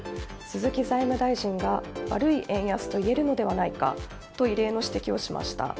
鈴木財務大臣が悪い円安といえるのではないかと異例の指摘をしました。